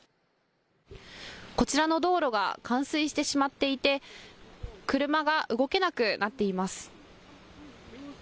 こちらの道路が冠水してしまっていて車が動けなくなっています。